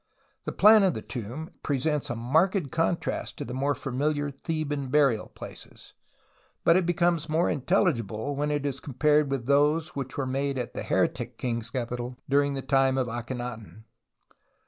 The plan of the tomb presents a marked contrast to the more familiar Theban burial places ; but it becomes more intelligible when it is compared with those which were made at the heretic king's capital during the time of Akhenaton.